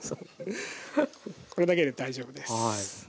これだけで大丈夫です。